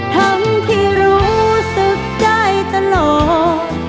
ทั้งที่รู้สึกใจตลอด